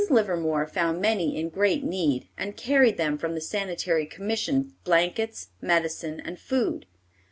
Livermore found many in great need, and carried them from the Sanitary Commission blankets, medicine, and food.